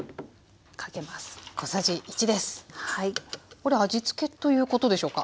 これ味付けということでしょうか？